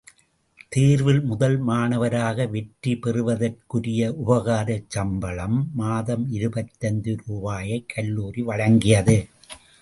தேர்வில் முதல் மாணவராக வெற்றி பெற்றதற்குரிய உபகாரச் சம்பளம் மாதம் இருபத்தைந்து ரூபாயைக் கல்லூரி வழங்கியது.